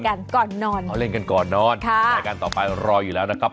ก่อนนอนอ๋อเล่นกันก่อนนอนค่ะรายการต่อไปรออยู่แล้วนะครับ